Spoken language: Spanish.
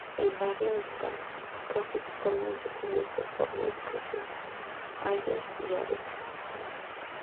El área está casi totalmente cubierto por bosques de hayas y abetos.